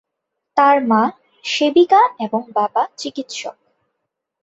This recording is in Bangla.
তার মা সেবিকা এবং বাবা চিকিৎসক।